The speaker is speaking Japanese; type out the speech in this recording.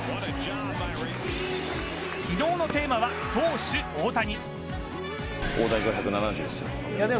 昨日のテーマは、投手・大谷。